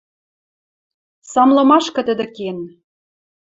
Самлымашкы тӹдӹ кен.